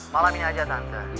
malam ini aja tante